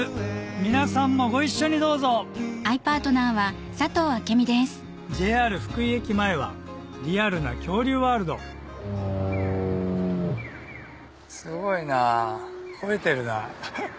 皆さんもご一緒にどうぞＪＲ福井駅前はリアルな恐竜ワールドすごいなほえてるな。